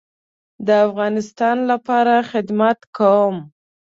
د افغانستان لپاره خدمت کوم